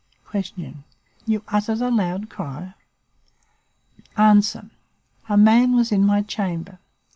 "Q. You uttered a loud cry? "A. A man was in my chamber.